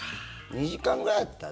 ２時間ぐらいだったら。